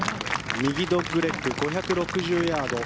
右ドッグレッグ５６０ヤード。